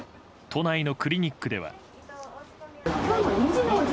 都内のクリニックでは。